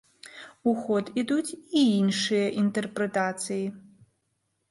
У ход ідуць і іншыя інтэрпрэтацыі.